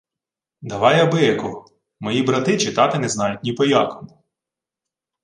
— Давай абиякого. Мої брати читати не знають ні по якому.